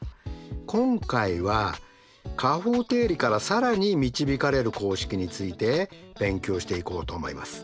今回は加法定理から更に導かれる公式について勉強していこうと思います。